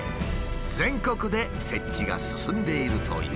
全国で設置が進んでいるという。